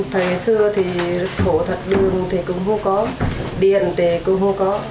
trong thời xưa thì thổ thật đường thì cũng không có điện thì cũng không có